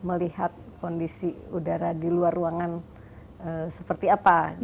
melihat kondisi udara di luar ruangan seperti apa